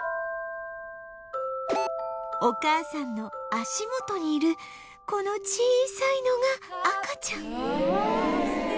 お母さんの足元にいるこの小さいのが赤ちゃん